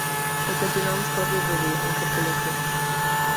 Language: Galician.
E continuamos coa orde do día, interpelacións.